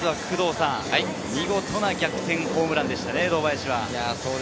見事な逆転ホームランでしたね、堂林。